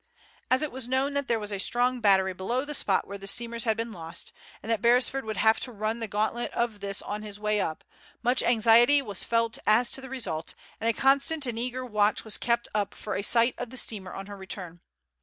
As it was known that there was a strong battery below the spot where the steamers had been lost, and that Beresford would have to run the gauntlet of this on his way up, much anxiety was felt as to the result, and a constant and eager watch was kept up for a sight of the steamer on her return.